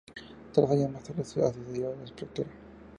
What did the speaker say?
Tres años más tarde accedió a la pretura.